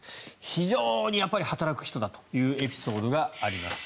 非常に働く人だというエピソードがあります。